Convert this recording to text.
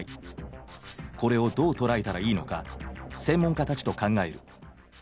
これをどう捉えたらいいのか専門家たちと考える。